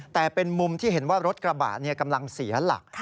แต่เป็นมุมที่เห็นว่ารถกระบะกำลังเสียหลัก